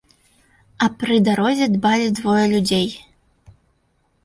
А пры дарозе дбалі двое людзей.